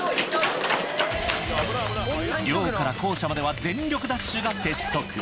寮から校舎までは全力ダッシュが鉄則。